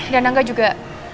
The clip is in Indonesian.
dan angga juga